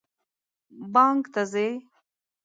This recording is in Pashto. بانک ته ځئ؟